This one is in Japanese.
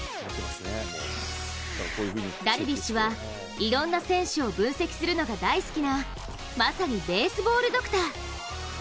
ダルビッシュはいろんな選手を分析するのが大好きなまさにベースボールドクター。